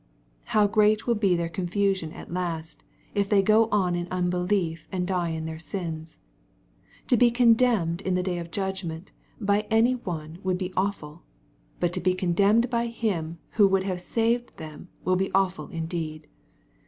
How great will be their confusion at last, if they go on in unbelief and die in their sins ! To be con demned in the day of judgment by any one would be awful. But to be condemned by Him who would have saved them will be awful indeed.